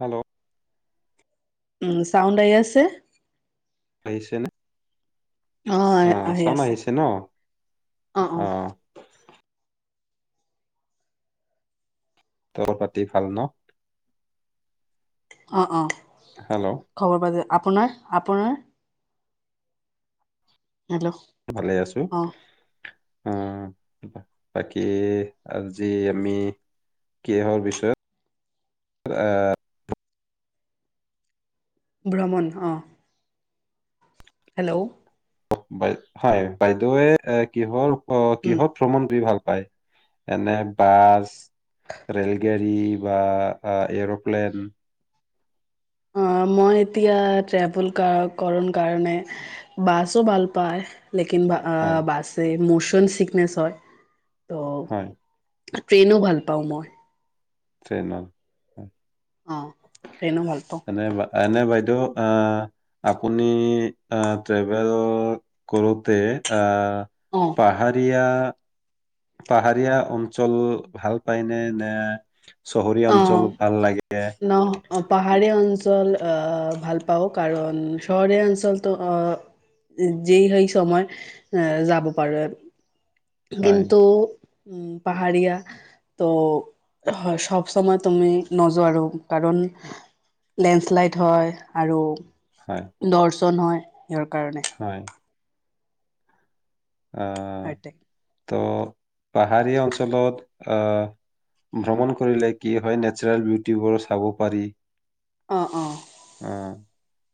Hello উম চাউণ্ড আহি আছে আহিছেনে? অ', অহ আহি চাউণ্ড আছে আহিছে ন অ', অ', অহ। তল পাতি ভাল ন অ-অ হেল্ল' আপোনাৰ-আপোনাৰ, হেল্ল' ভালে আছো অ' অ' বাকী আজি আমি কিহৰ বিছয়ত আ', ভ্ৰমণ অ', হেল্ল' হয় বাইদেউৱে এ কিৰ অ' উম, কিহত ভ্ৰমণ কৰি ভাল পায়? এনে বাছ, ৰেলগাড়ী বা এৰ'প্লেন। অ মই এতিয়া ট্ৰেভেল কৰণ কাৰণে বাছো ভাল পায়। লেকিন হয় বাাস মুছ কন চিকনেছ হয়। হয় ত' ট্ৰেইনো ভাল পাওঁ মই। ট্ৰেইন। অ ট্ৰেইনো ভাল পাও। এনে বা- এনে বাইদেউ আহ আপুনি ট্ৰেভেল কৰোতে আহ অ', পাহাৰীয়া পাহাৰীয়া অঞ্চল ভাল পায়নে নে? চহৰীয়া অ', অঞ্চল ভাল লাগে। ন অ, পাহাৰীয়া অঞ্চল ভাল পাওঁ কাৰণ শট অঞ্চলটো আহ যি সেই সময় যাব পাৰো। হয় কিন্ত উম' পাহাৰীয়া ত' হয় সব চব সময় তুমি নযোৱাৰো কাৰণ লেণ্ডশ্লাইড হয় আৰু হয় দৰ্শ। [unintelligible] য়াৰ কাৰণে। হয় অহ। সৈতে। ত' পাহাৰীয়া অঞ্চলত আহ ভ্ৰমণ কৰিলে কি হয় নেচাৰেল বিউটিবোৰ চাব পাৰি। অহ অহ। আহ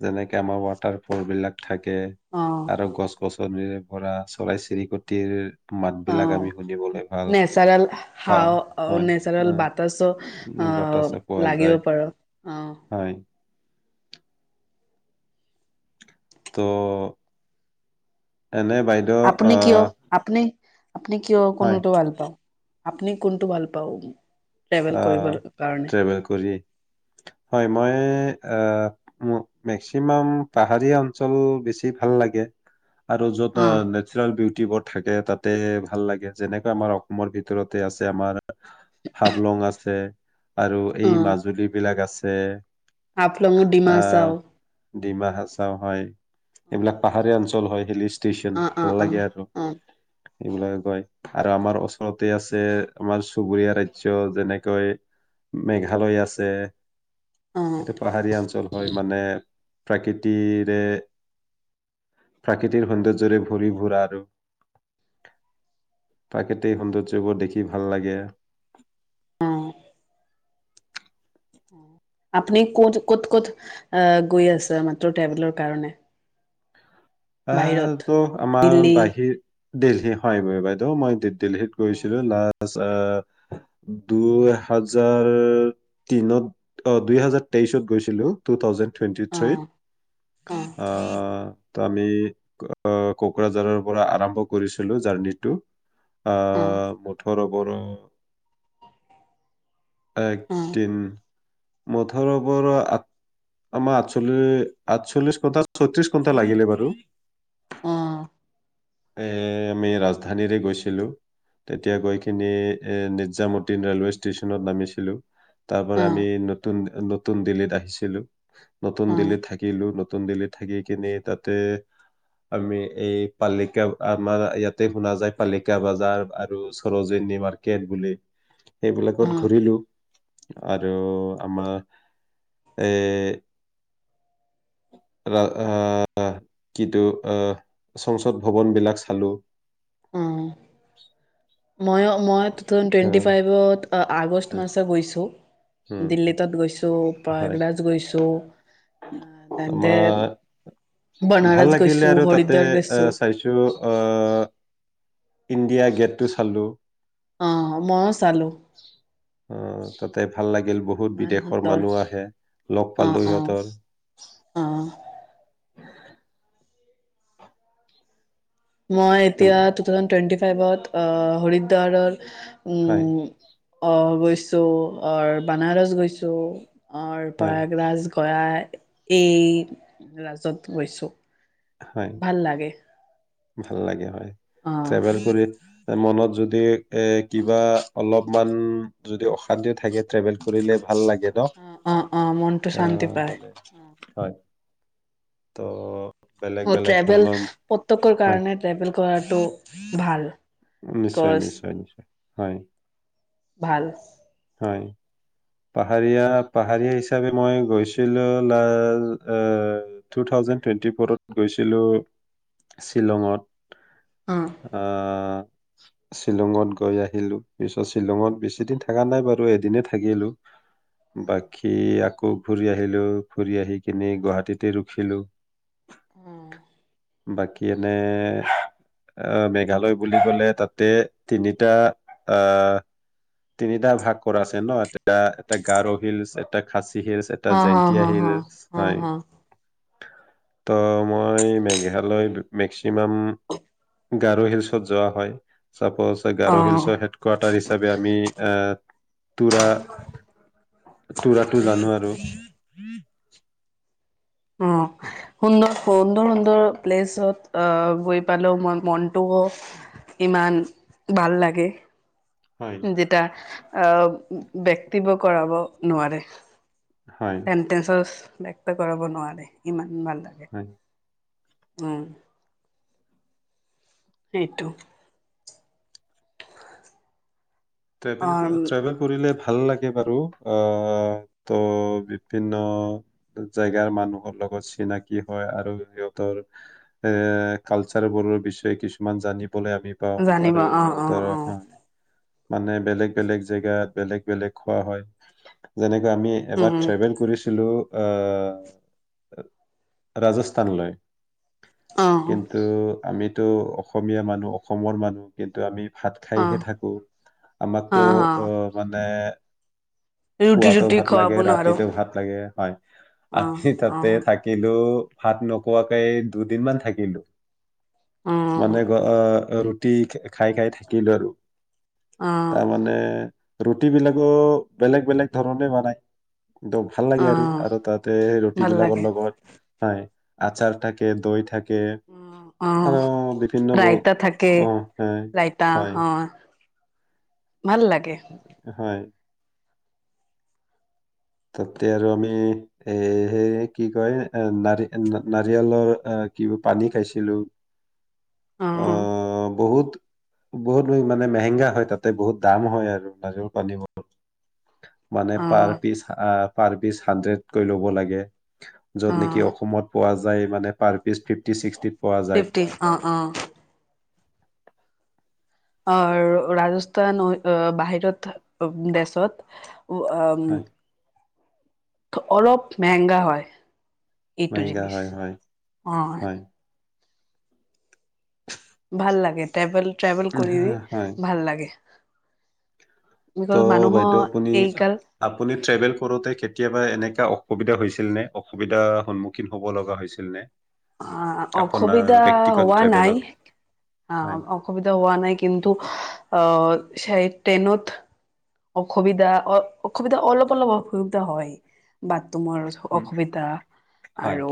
যেনেকে আমাৰ ৱাটাৰ ফল বিলাক। থাকে অ আৰু গছ গছ। [unintelligible] চৰাই চিৰিকটিৰ। মাত বিলাক অহ আমি শুনিবলৈ ভাল নেচাৰেল পাওঁ হাঅ হয় নেচাৰেল বাতাসো উ বতাহ চা পোৱা আহ যায় লাগিব পাৰো। হয় তো। এনে বাইদেউ আহ। আপনি কিয় হয় কোনোটো ভাল পাও। আপনি কোনটো ভাল পাও। অহ ট্ৰেভেল কৰি হয় মই। আহ মেক্সিমাম পাহাৰীয়া অঞ্চল বেছি ভাল লাগে। আৰু য'ত অ', নেচৰাল বিউটি। টিউবত থাকে তাতে ভাল লাগে যেনেকা আমাৰ অসমৰ ভিতৰতে আছে আমাৰ। হাবলং আছে আৰু এই মাজুলী বিলাক আছে। তে। আফলঙো ডিমাহাচাও। ডিমাহাচাও হয় এইবিলাক পাহাৰীয়া অঞ্চল হয় হিলিষ্ট। ষ্টেচন অ', ভাল অ', অ', লাগে আৰু। অ'। সেইবিলাকে কয় আৰু আমাৰ ওচৰতে আছে আমাৰ চুবুৰীয়া ৰা। যেনেকৈ মেঘালয় আছে। অ', এইটো পাহাৰীয়া অঞ্চল হয় মানে। প্ৰাকৃতিৰে প্ৰাকৃতিৰ সৌন্দৰ্যৰে ভৰি ভৰা আৰু প্ৰাকৃতিক সৌন্দৰ্যবোৰ দেখি ভাল লাগে। অহ। আপুনি ক'ত ক'ত ক'ত আহ গৈ আছে মাত্ৰ ট্ৰেভেলৰ কাৰণে। আহ বাহিৰত? ত আমাৰ দিল্লী বাহিৰ। দিল্লী হয় বাইদেউ মই। দেহকীত অ', গৈছিলো না। অহ দুই হাজাৰ তিনত অহ দুই হাজাৰ তেইশত গৈছিলো টু থাউজেণ্ড। টুৱেণ্টি থ্ৰীত অ', অ', অ', অহ। আমি কোকৰাঝাৰৰ পৰা আৰম্ভ কৰিছিলো জাৰ্ণিটো অ'। আহ মুঠৰ বৰ একটিন মুঠৰ ওপৰত আমাৰ আঠচল্লি আঠচল্লিশ ঘন্টা ছয়ত্ৰিশ ঘন্টা লাগিলে বাৰু। অ', এ আমি ৰাজধানীৰে গৈছিলো। তেতিয়া গৈকিনি এ নিজামুদ্দীন ৰেলৱে ষ্টেচনত নামিছিলো। তাৰ পৰা আমি অ', নতুন নতুন দিল্লীত আহিছিলো। নতুন দিল্লীত থাকিলো। নতুন দিল্লিত থাকি কিনে তাতে আমি এই পাল আমাৰ ইয়াতে শুনা যায় পালিকা বাজাৰ আৰু সৰোজনী মাৰ্কেট বুলি। সেইবিলাকত অ', ঘূৰিলোঁ। আৰু আমাৰ এ আ' কিন্তু আ' সংসদ ভৱনবিলাক চালোঁ। [inaudible] অ'। মই মই টেন টুৱেণ্টি আহ, ফাইভত। আগষ্ট উম, মাৰ্চত গৈছোঁ। উম, দিল্লতত গৈছো। হয়, তেন্তে আমাৰ ভাল বনাৰস লাগিলে গৈছোঁ, আৰু তাতে হৰিদ্বাৰ অ' গৈছোঁ। চাইছো অ'। ইণ্ডিয়া গেটটো চালোঁ। অ', মইও চালো। অ' তাতে ভাল লাগিল বহুত ইমান বিদেশৰ সুন্দৰ মানুহ আহে লগ অ' পালোঁ অ'। সিহঁতক। অ' মই এতিয়া তেন- টু থাউজেন্ড টুৱেন্টি বত অ'হৰিদ্বাৰত হয়, উম' অ' গৈছো। গৈছো অ' বানাৰস গৈছো। আৰু হয়, পাগৰাজ এই ৰাজত গৈছোঁ। হয়, ভাল লাগে। ভাল লাগে হয়। অ'। ট্ৰেভেল কৰি মনত যদি এ কিবা অলপমান যদি অশান্তিও থাকে ট্ৰেভেল কৰিলে ভাল লাগে ন, অ', অ', অ', মনটো শান্তি অ' পায়। মানে। হয় ত' বেলেগ বেলেগ অ'ট্ৰেভেল ধৰণৰ প্ৰতকৰ হয় কাৰণে ট্ৰেভেল কৰাটো ভাল। নিশ্চয়, বিকজ, নিশ্চয়, নিশ্চয় হয়। ভাল। হয়। পাহাৰীয়া, পাহাৰীয়া হিচাপে মই গৈছিলোঁ, লাষ্ট অ', টু থাউজেণ্ড টুৱেণ্টি ফৰত গৈছিলোঁ অ', শ্বিলঙত। আ শ্বিলঙত গৈ আহিলোঁ, পিছত শ্বিলঙত বেছিদিন থকা নাই বাৰু এদিনে থাকিলোঁ। বাকী আ আকৌ ফুৰি আহিলোঁ, ফুৰি আহি কিনে গুৱাহাটীতে ৰখিলোঁ। বাকী এনে আ, মেঘালয় বুলি‌ ক'লে, ‌‌তাতে তিনিটা আ, তিনিটা ভাগ কৰা আছে ন' এ পা, এটা গাৰো হিলছ এ এটা খাচ হিলছ এটা হ, হ, হ, জয়ন্তীয়া হ, হিলছ হ, হয়। হ, ত' মই মেঘালয় মেক্সিমাম গাৰো হিলছত যোৱা হয়। চাপজ গাৰো অ', হিলছৰ হেড কোৱাৰ্টাৰ হিচাপে আমি আ, তুৰা তুৰাটো জানো আৰু। [unintelligible] অ', সুন্দৰ-সুন্দৰ-সুন্দৰ প্লেচত আহ, গৈ পালেওঁ মোৰ মনটো ইমান ভাল লাগে। হয়। যেটা আহ, ব্যক্তিব কৰাব নোৱাৰে। হয় [unintelligible] ব্যক্ত কৰাব নোৱাৰে ইমান। ভাল লাগে। হয় উম। সেইটো। [inaudible] [unintelligible] অ', ট্ৰেভেল কৰিলে ভা ভাল লাগে বাৰু। অ', ত' বিভিন্ন জেগাৰ মানুহৰ লগত চিনাকি হয় আৰু সিহঁতৰ এ, কালচাৰবোৰৰ বিষয়ে কিছুমান জানিব বলে আমি পাওঁ আৰু জানিব অ', অ', সিহঁতৰ অ', [unintelligible] মানে বেলেগ বেলেগ জেগাত, বেলেগ বেলেগ খোৱা হয়। যেনে যে আমি এবাৰ উম, ট্ৰেভেল কৰিছিলো আহ, ৰাজস্থানলৈ। অ', কিন্তু আমি টো অসমীয়া মানুহ অসমৰ মানুহ। কিন্তু আমি ভাত খাইহে অ', থাকো। আমাকতো হা, হা অ' মানে ৰুটি পুৱাতো চুটি ভাত খুৱাব লাগে ন আৰু ৰাতিটো ভাত লাগে, হয়। অ', আমি তাতে অ', থাকিলো ভাত নোখোৱাকে দুদিনমান থাকিলো। মানে অ', অ'। ৰুটি খাই, খাই থাকিলো আৰু। অ', তাৰমানে ৰুটি বিলাকো বেলেগ বেলেগ ধৰণ বনাই। একদম ভাল লাগে আৰু অ', আৰু তাতে ৰুটি ভাল বিলাকৰ লাগে লগত পায়। আচাৰ থাকে, দৈ থাক অ', আৰু বিভিন্ন বহ ৰাইতা থাকে অ', হয়, ৰাইতা হয়। অ', ভাল লাগে। হয় তাতে আৰু আমি এ সেই কি কয় নাৰ নাৰিয়লৰ কি পানী খাইছিলো। অ', বহুত বহুত মানে মেহেংগা হয় তাতে বহুত দাম হয় আৰু নাৰিয়ল পানীবোৰ। মানে পাৰ্ক অ', অ', পাৰ পিচ হাড্ৰেডকৈ ল'ব লাগে। য'ত নেকি অ', অসমত পোৱা য যায় মানে পাৰ পিচ ফিফটি ছিক্সটিত পোৱা যায় ফিফটি অ', অ'। অ', ৰাজস্থান বাহিৰত দেশত উ, হয় অ'। অলপ মেহেংগা হয়। এইটো মেহেংগা জিনছ হয় হয় অ'। হয়, ভাল লাগে টেবেল ট্ৰেভেল কৰি অৰি হয়। ভাল লাগে। ত' বিকজ বাইদেউ মানুহৰ আপুনি এইকাল আপুনি ট্ৰেভেল কৰোঁতে কেতিয়াবা এনেকা অসুবিধা হৈছিল নে, অসুবিধাৰ সন্মুখীন হ'ব লগা হৈছিল নে? অ', আপোনাৰ অসুবিধা ব্যক্তিগত হোৱা নাই ট্ৰেভেলত? অ', হয়, অসুবিধা হোৱা নাই কিন্তু অ' স ট্ৰেইনত অসুবিধা অ', অসুবিধা অলপ অলপ অসুবিধা হয় বাত তোমাৰ উম, অসুবিধা হয়, আৰু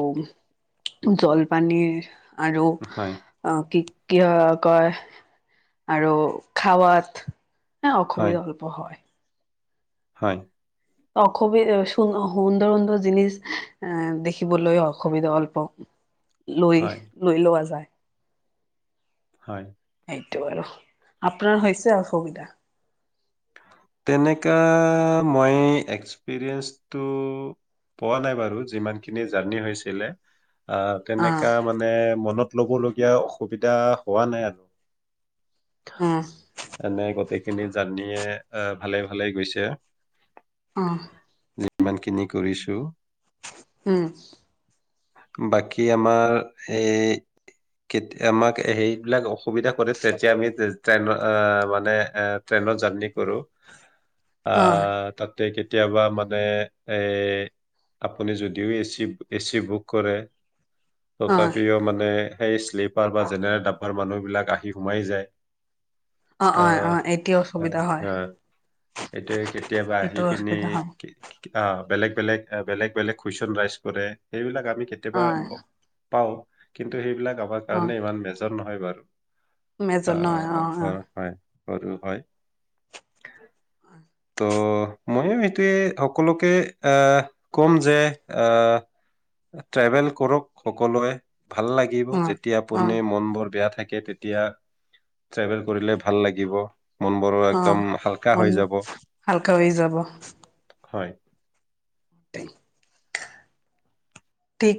জলপানীৰ আৰু হয়, অ', কি? কিয় কয় আৰু খাৱাত হয়, অসুবিধা অল্প হয় হয়। অখবি সুন্দৰ সুন্দৰ জিনিচ অ', দেখিবলৈয অসুবিধা অল্প। লৈ হয়, - লৈ লোৱা যায়। হয়। এইটো আৰু আপোনাৰ হৈছে অসুবিধা? [inaudible] কেনেকা মানে অ মনত লবলগীয়া অসুবিধা হোৱা নাই। উম [inaudible] খিনি, জানিয়ে আহ ভালে ভালে গৈছে অঁ। যিমান খিনি কৰিছো উম। বাকী আমাৰ এই কেত আমাক সেইবিলাকো। [inaudible] অসুবিধা কৰে তেতিয়া আমি ট্ৰেইনৰ মানে এ' ট্ৰেইনৰ জাৰ্ণি কৰো। আ অ তাতে কেতিয়াবা মানে এ আপুনি যদিও এচি এচি বুক কৰে অ তথাপিও মানে, [unintelligible] সলীপ বা যেনেৰে ড তাৰ মানুহ বিলাক আহি সোমাই যায়। অ অ এইটো অসুবিধা হয় অ এইটোৱে কেতিয়াবা আহি সেইটো কিনি অসুবিধা হয় অ বেলেগ বেলেগ বেলেগ বেলেগ কোৱেচন ৰাইজ কৰে সেইবিলাক, আমি কেতিয়াবা অ পাওঁ কিন্তু সেইবিলাক গাবৰ অ কাৰণে ইমান বেজ, নহয় বাৰু অ মেজৰ নহয় অ হ অ হয়। স হয় ত ময়ো সেইটোৱে সকলোকে আহ কম যে আহ ট্ৰেভেল কৰক সকলোৱে। ভাল লাগিব যেতিয়া অ অ আপুনি মন বোৰ বেয়া থাকে। তেতিয়া ট্ৰেভেল কৰিলে ভাল লাগিব। মনবোৰো অ একদম হালকা মন হৈ যাব হালকা হৈ যাব হয়। [unintelligible] ঠিক